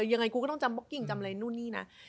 ยังไงกูก็ต้องจำบ็อกกิ้งจำอะไรนู่นนี่นะ